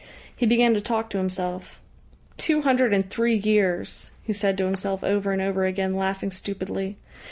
He began to talk to himself. "Two hundred and three years!" he said to himself over and over again, laughing stupidly.